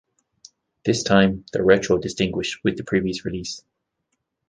This time, the retro distinguished with the previous release.